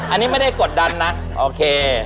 อันนี้ไม่ได้กดดันนะโอเค